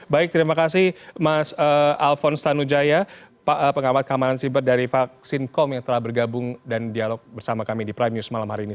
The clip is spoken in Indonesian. baik terima kasih mas alphonse tanujaya pengamat keamanan siber dari vaksin com yang telah bergabung dan dialog bersama kami di prime news malam hari ini